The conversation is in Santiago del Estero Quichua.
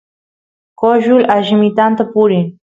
coshul allimitanta purin